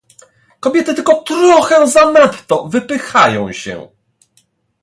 "Kobiety tylko trochę zanadto wypychają się."